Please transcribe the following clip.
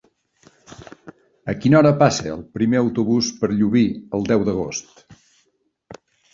A quina hora passa el primer autobús per Llubí el deu d'agost?